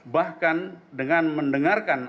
bahkan dengan mendengarkan